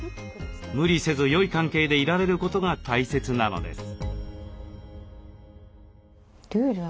無理せずよい関係でいられることが大切なのです。